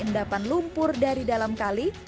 endapan lumpur dari dalam kali